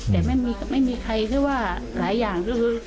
แต่ไม่มีใครคือว่าหลายอย่าง